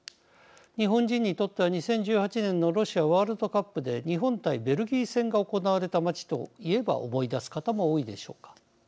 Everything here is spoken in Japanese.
日本人にとっては、２０１８年のロシアワールドカップで日本対ベルギー戦が行われた街と言えば思い出す方も多いでしょうか。